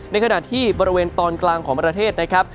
ในขณะที่บริเวณตอนกลางของประเทศนะครับ